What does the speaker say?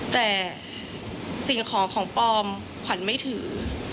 แต่สิ่งของของปลอมขวัญไม่ถือ